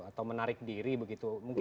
atau menarik diri begitu